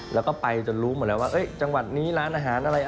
แล้วก็ไปจนรู้หมดแล้วว่าจังหวัดนี้ร้านอาหารอะไร